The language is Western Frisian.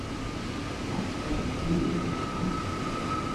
Wat seit de sjuery derfan?